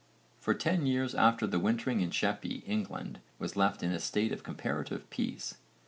For ten years after the wintering in Sheppey, England was left in a state of comparative peace.